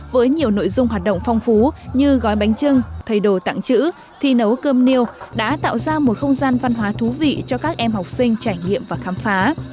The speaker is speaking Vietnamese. với nhiều nội dung hoạt động phong phú như gói bánh trưng thầy đồ tặng chữ thi nấu cơm niêu đã tạo ra một không gian văn hóa thú vị cho các em học sinh trải nghiệm và khám phá